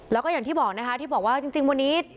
แล้วก็อย่างที่บอกนะคะที่บอกว่าจริงวันนี้